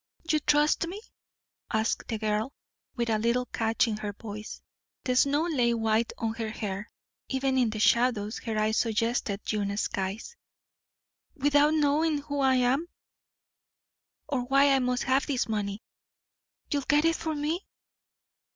"You trust me?" asked the girl, with a little catch in her voice. The snow lay white on her hair; even in the shadows her eyes suggested June skies. "Without knowing who I am, or why I must have this money you'll get it for me?"